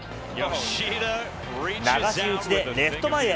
流し打ちでレフト前へ。